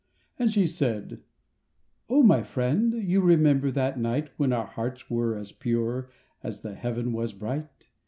And she said: "Oh, my friend, You remember that night, When our hearts were as pure, As the heaven was bright.